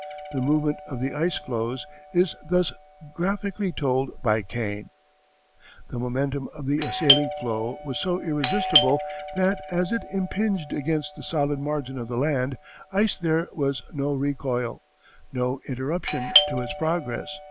The movement of the ice floes is thus graphically told by Kane: "The momentum of the assailing floe was so irresistible that as it impinged against the solid margin of the land ice there was no recoil, no interruption to its progress.